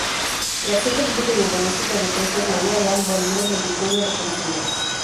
La acción política y urbanística de Prestes Maia le han valido multitud de reconocimientos.